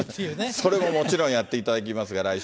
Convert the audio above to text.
それももちろんやっていただきますが、来週。